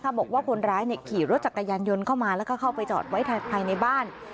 บอกว่าคนร้ายขี่รถจักรยานยนต์เข้ามาแล้วก็เข้าไปจอดไว้ภายในบ้าน